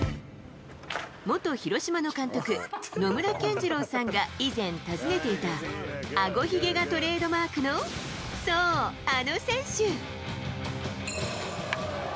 元広島の監督、野村謙二郎さんが以前、訪ねていた、あごひげがトレードマークのそう、あの選手。